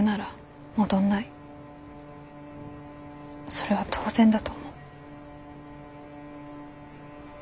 それは当然だと思う。